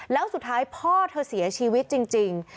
แล้วสุดท้ายพ่อเธอเสียชีวิตจริง